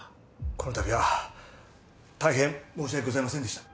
この度は大変申し訳ございませんでした。